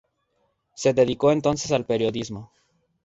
Se dedicó entonces al periodismo.